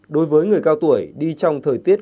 đối với người cao tuổi đi trong thời tiết